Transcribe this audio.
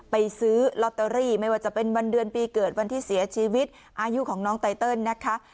ซื้อลอตเตอรี่ไม่ว่าจะเป็นวันเดือนปีเกิดวันที่เสียชีวิตอายุของน้องไตเติลนะคะ